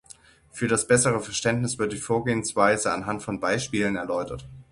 Für das bessere Verständnis wird die Vorgehensweise anhand von Beispielen erläutert.